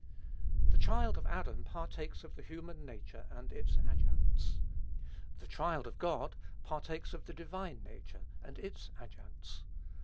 The child of Adam partakes of the human nature and its adjuncts; the child of God partakes of the divine nature and its adjuncts.